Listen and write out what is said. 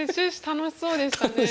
楽しそうでしたね。